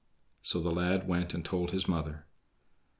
So the lad went and told his mother.